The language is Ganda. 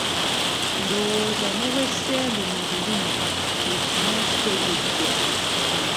Ndowooza ne bwe seerume lulimi, buli kimu okitegedde.